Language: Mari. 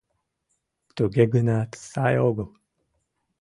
— Туге гынат, сай огыл.